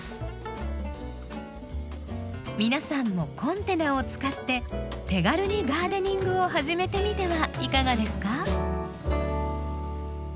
皆さんもコンテナを使って手軽にガーデニングを始めてみてはいかがですか？